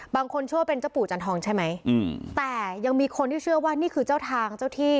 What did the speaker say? เชื่อว่าเป็นเจ้าปู่จันทองใช่ไหมอืมแต่ยังมีคนที่เชื่อว่านี่คือเจ้าทางเจ้าที่